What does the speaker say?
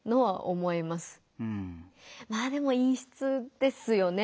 まぁでも陰湿ですよね。